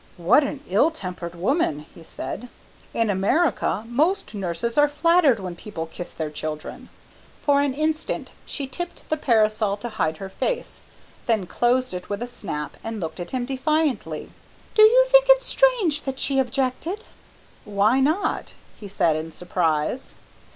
"What an ill tempered woman!" he said. "In America, most nurses are flattered when people kiss their children." For an instant she tipped the parasol to hide her face, then closed it with a snap and looked at him defiantly. "Do you think it strange that she objected?" "Why not?" he said in surprise.